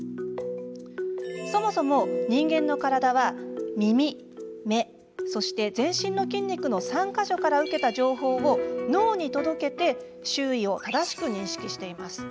そもそも人間の体は耳目そして全身の筋肉の３か所から受けた情報を脳に届けて周囲を正しく認識しています。